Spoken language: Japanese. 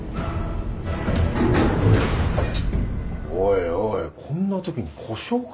おいおいこんな時に故障か？